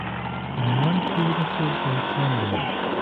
آنان گور خود را کندند.